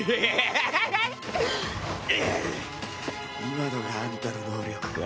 今のがあんたの能力か。